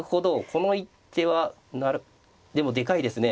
この一手はでもでかいですね。